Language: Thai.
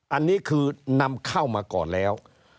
อันนี้คือนำเข้ามาก่อนแล้ว